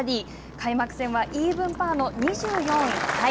開幕戦はイーブンパーの２４位タイ。